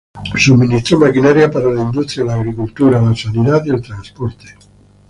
Suministró maquinaria para la industria, la agricultura, la sanidad y el transporte.